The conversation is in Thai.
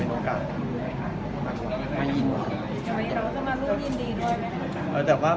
บ๊วยบ๊วยยังเลยครับยังเลยครับ